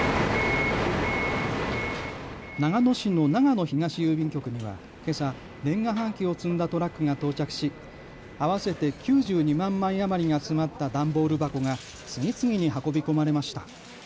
長野市の長野東郵便局にはけさ年賀はがきを積んだトラックが到着し合わせて９２万枚余りが詰まった段ボール箱が次々に運び込まれました。